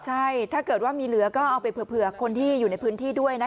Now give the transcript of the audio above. ใช่ถ้าเกิดว่ามีเหลือก็เอาไปเผื่อคนที่อยู่ในพื้นที่ด้วยนะคะ